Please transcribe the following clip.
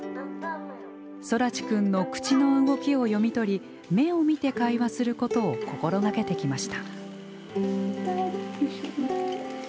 空知くんの口の動きを読み取り目を見て会話することを心掛けてきました。